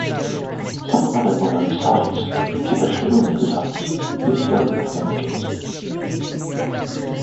Some other modern sides, especially women's sides, use very different kits.